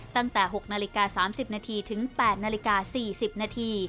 ตั้งแต่๖นาฬิกา๓๐นาทีถึง๘นาฬิกา๔๐นาที